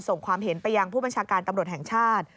ความเห็นไปยังผู้บัญชาการตำรวจแห่งชาติ